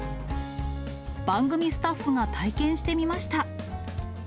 番組スタッフが体験してみました。